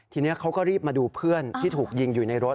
ทีนี้เขาก็รีบมาดูเพื่อนที่ถูกยิงอยู่ในรถ